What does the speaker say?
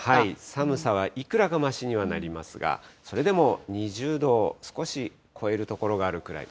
寒さはいくらかましにはなりますが、それでも２０度を少し超える所があるくらい。